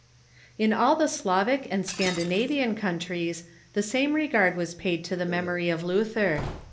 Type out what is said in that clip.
In all the Slavic and Scandinavian countries the same regard was paid to the memory of Luther.